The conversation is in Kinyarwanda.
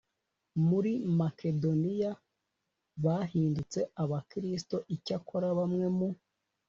muri Makedoniya bahindutse Abakristo Icyakora bamwe mu